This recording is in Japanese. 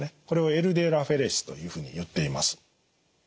これをＬＤＬアフェレシスというふうにいっています。